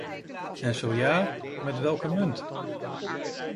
En zo ja, met welke munt?